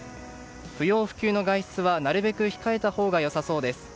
不要不急の外出はなるべく控えたほうが良さそうです。